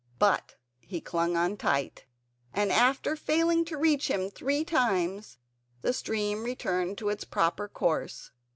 But he clung on tight, and after failing to reach him three times the stream returned to its proper course.